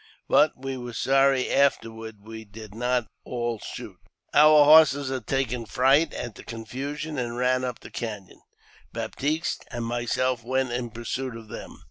But we were sorry afterward we did not all shoot. Our horses had taken fright at the confusion and ran up the canon. Baptiste and myself went in pursuit of them.